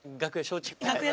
楽屋。